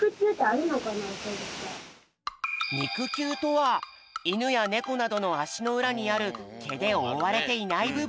にくきゅうとはイヌやネコなどのあしのうらにあるけでおおわれていないぶぶん。